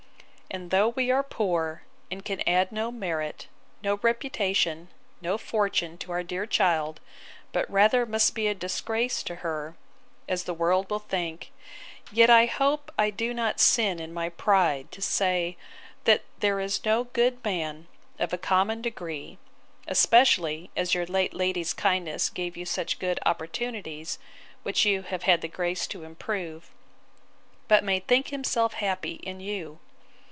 And though we are poor, and can add no merit, no reputation, no fortune, to our dear child, but rather must be a disgrace to her, as the world will think; yet I hope I do not sin in my pride, to say, that there is no good man, of a common degree, (especially as your late lady's kindness gave you such good opportunities, which you have had the grace to improve,) but may think himself happy in you.